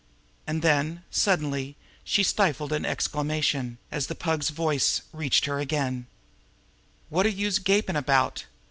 And then, suddenly, she stifled an exclamation, as the Pug's voice reached her again: "Wot are youse gapin' about?